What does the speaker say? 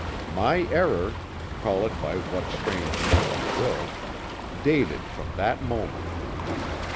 My error call it by what strange name you will dated from that moment.